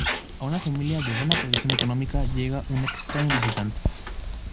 A una familia de buena posición económica llega un extraño visitante.